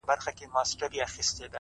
زه به هم داسي وكړم ـ